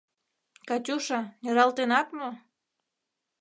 — Катюша, нералтенат мо?